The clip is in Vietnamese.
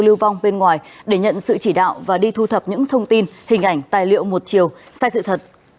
lưu vong bên ngoài để nhận sự chỉ đạo và đi thu thập những thông tin hình ảnh tài liệu một chiều sai sự thật